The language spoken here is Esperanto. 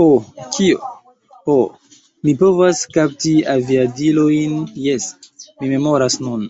Ho, kio? Ho, mi povas kapti aviadilojn, jes, mi memoras nun.